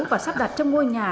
và sắp đặt trong ngôi nhà